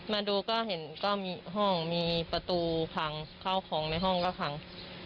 มาดูก็เห็นก็มีห้องมีประตูพังข้าวของในห้องก็พัง